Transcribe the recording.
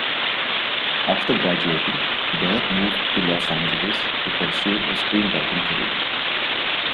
After graduating, Behr moved to Los Angeles to pursue a screenwriting career.